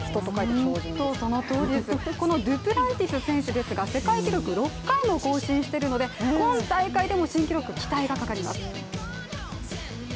デュプランティス選手ですが世界記録６回も更新しているので、今大会でも新記録、期待がかかります。